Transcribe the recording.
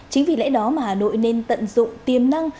chính vì lẽ đó mà hà nội nên tận dụng tiềm năng